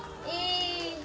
lampu lampu suki senang